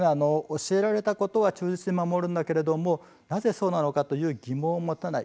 教えられたことは忠実に守るんだけれどもなぜそうなのかという疑問は持たない